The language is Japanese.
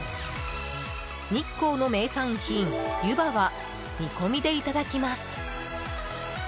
日光の名産品、湯葉は煮込みでいただきます。